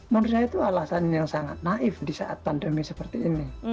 menurut saya itu alasan yang sangat naif di saat pandemi seperti ini